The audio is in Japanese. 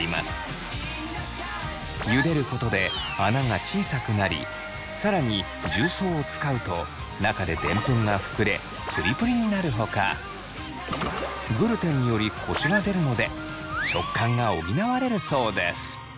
ゆでることで穴が小さくなり更に重曹を使うと中でデンプンが膨れプリプリになるほかグルテンによりコシが出るので食感が補われるそうです。